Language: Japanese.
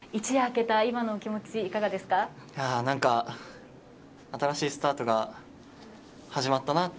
何か新しいスタートが始まったなって。